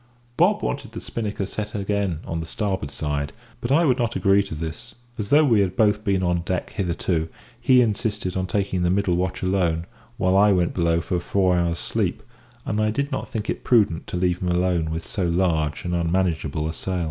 Bob wanted the spinnaker set again on the starboard side; but I would not agree to this, as, though we had both been on deck hitherto, he insisted on taking the middle watch alone, while I went below for a four hours' sleep, and I did not think it prudent to leave him alone with so large and unmanageable a sail.